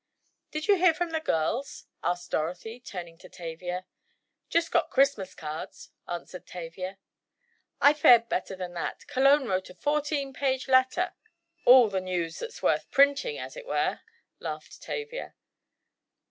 "Did you hear from the girls?" asked Dorothy, turning to Tavia. "Just got Christmas cards," answered Tavia. "I fared better than that. Cologne wrote a fourteen page letter——" "All the news that's worth printing, as it were," laughed Tavia.